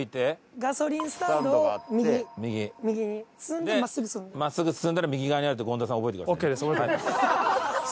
ガソリンスタンドを右右に。で真っすぐ進んだら右側にあるって権田さん覚えてくださいね。